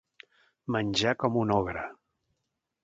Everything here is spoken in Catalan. Menjar com un ogre.